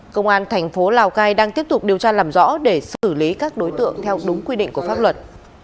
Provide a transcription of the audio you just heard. công an thành phố lào cai đang tiếp tục điều tra làm rõ để xử lý các đối tượng theo đúng quy định của pháp luật